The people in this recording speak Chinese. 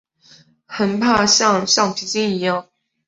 很怕像橡皮筋一样